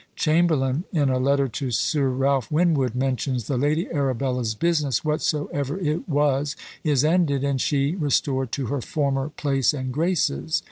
Chamberlain, in a letter to Sir Ralph Winwood, mentions "the Lady Arabella's business, whatsoever it was, is ended, and she restored to her former place and graces.